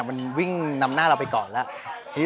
ชื่องนี้ชื่องนี้ชื่องนี้ชื่องนี้ชื่องนี้